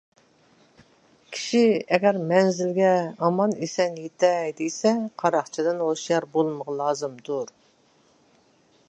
كىشى ئەگەر مەنزىلگە ئامان - ئېسەن يېتەي دېسە قاراقچىدىن ھوشيار بولمىقى لازىمدۇر.